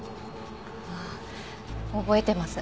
ああ覚えてます。